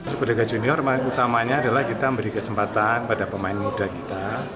sekuraga junior utamanya adalah kita beri kesempatan pada pemain muda kita